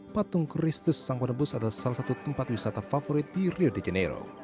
patung kristus sang penebus adalah salah satu tempat wisata favorit di rio de janeiro